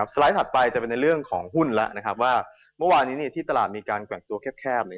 ไลด์ถัดไปจะเป็นในเรื่องของหุ้นแล้วว่าเมื่อวานนี้ที่ตลาดมีการแกว่งตัวแคบ